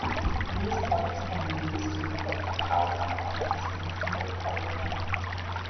These points can be used to equip the power-up items from the single-player game.